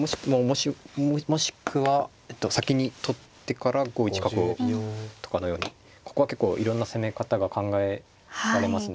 もしくは先に取ってから５一角をとかのようにここは結構いろんな攻め方が考えられますね。